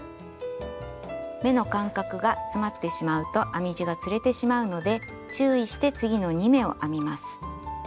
目の間隔が詰まってしまうと編み地がつれてしまうので注意して次の２目を編みます。